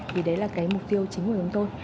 thì đấy là cái mục tiêu chính của chúng tôi